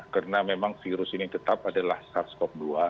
karena memang virus ini tetap adalah sars cov dua